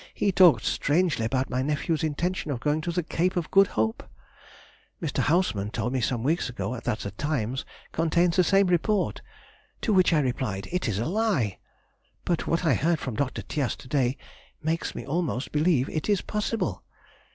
He talked strangely about my nephew's intention of going to the Cape of Good Hope. Mr. Hausmann told me some weeks ago that the Times contained the same report, to which I replied, "It is a lie!" but what I heard from Dr. Tias to day makes me almost believe it possible.